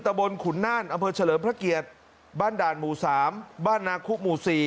ตะบนขุนน่านอำเภอเฉลิมพระเกียรติบ้านด่านหมู่๓บ้านนาคุหมู่๔